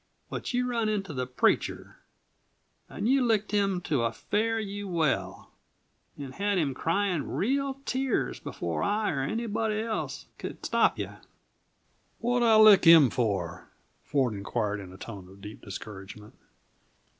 But you run into the preacher. And you licked him to a fare you well and had him crying real tears before I or anybody else could stop you." "What'd I lick him for?" Ford inquired in a tone of deep discouragement.